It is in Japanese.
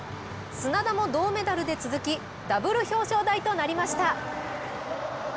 砂田も銅メダルで続きダブル表彰台となりました。